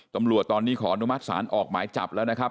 ตำรวจตอนนี้ขออนุมัติศาลออกหมายจับแล้วนะครับ